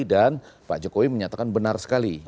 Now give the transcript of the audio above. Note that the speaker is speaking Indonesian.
dan pak jokowi menyatakan benar sekali